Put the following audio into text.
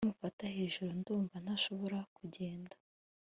kuki umfata hejuru? ndumva ntashobora kugenda